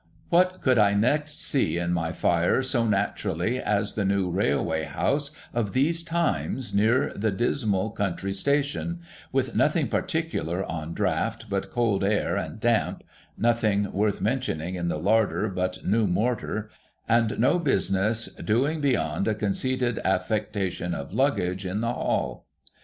What could I next see in my fire so naturally as the new railway house of these times near the dismal country station ; with nothing particular on draught but cold air and damp, nothing worth mentioning in the larder but new mortar, and no business doing beyond a conceited aftectation of luggage in the hall?